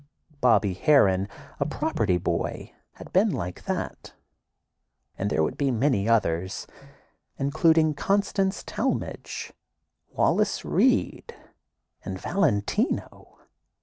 Bobby Harron, a property boy, had been like that. And there would be many others, including Constance Talmadge, Wallace Reid, and Valentino.